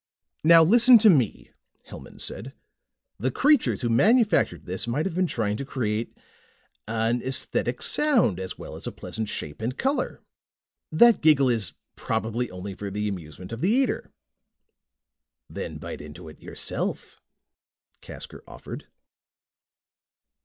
"Now listen to me," Hellman said. "The creatures who manufactured this might have been trying to create an esthetic sound as well as a pleasant shape and color. That giggle is probably only for the amusement of the eater." "Then bite into it yourself," Casker offered.